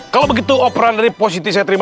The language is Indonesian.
kalau begitu operan dari pak siti saya terima